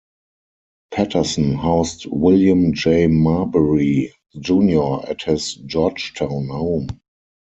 Patterson housed William J. Marbury, Junior at his Georgetown home.